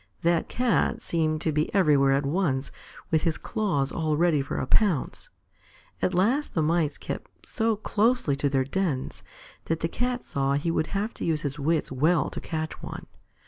That Cat seemed to be everywhere at once with his claws all ready for a pounce. At last the Mice kept so closely to their dens, that the Cat saw he would have to use his wits well to catch one.